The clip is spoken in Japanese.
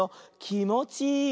「きもちいい」！